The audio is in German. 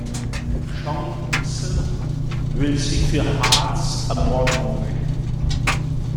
Chance will sich für Harts Ermordung rächen.